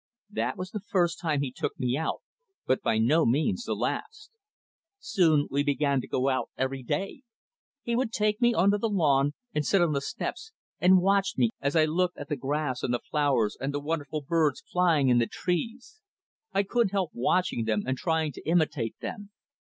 That was the first time he took me out, but by no means the last. Soon we began to go out every day. He would take me on to the lawn and sit on the steps and watch me as I looked at the grass and the flowers and the wonderful birds flying in the trees. I couldn't help watching them and trying to imitate them.